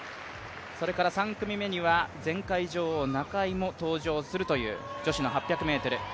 それから３組目には前回女王ナカイも登場するという女子８００ｍ。